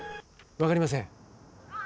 分かりません。